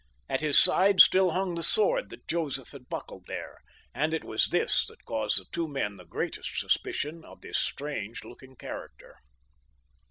At his side still hung the sword that Joseph had buckled there, and it was this that caused the two men the greatest suspicion of this strange looking character.